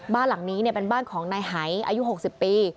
บ้านหลังนี้เป็นบ้านของนายหายอายุ๖๐ปี